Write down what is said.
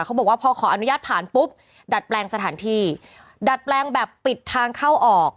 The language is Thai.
เขาบอกว่าพอขออนุญาตผ่านปุ๊บดัดแปลงสถานที่ดัดแปลงแบบปิดทางเข้าออก